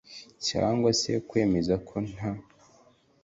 cyangwa se kwemezako nta